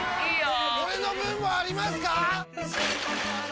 俺の分もありますか！？